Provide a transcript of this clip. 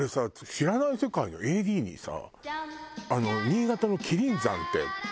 『知らない世界』のＡＤにさ。